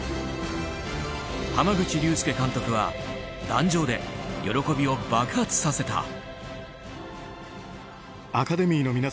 濱口竜介監督は壇上で喜びを爆発させた。